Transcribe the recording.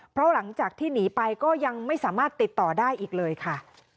เพราะหลังจากที่หนีไปก็ยังไม่สามารถติดต่อได้อีกเลยค่ะ